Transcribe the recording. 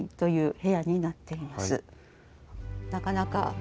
なかなか。